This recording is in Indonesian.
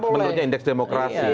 menurutnya indeks demokrasi